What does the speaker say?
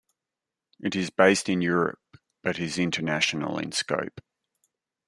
It is based in Europe, but is international in scope.